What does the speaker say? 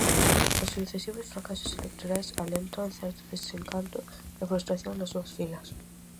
Os sucesivos fracasos electorais alentan certo desencanto e frustración nas súas filas.